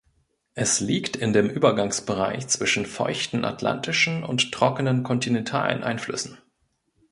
Es liegt in dem Übergangsbereich zwischen feuchten atlantischen und trockenen kontinentalen Einflüssen.